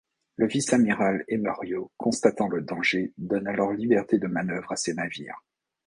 Le vice-amiral Emeriau, constatant le danger, donne alors liberté de manœuvre à ses navires.